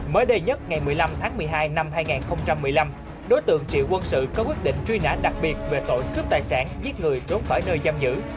mới đây nhất ngày một mươi năm tháng một mươi hai năm hai nghìn một mươi năm đối tượng triệu quân sự có quyết định truy nã đặc biệt về tội cướp tài sản giết người trốn khỏi nơi giam giữ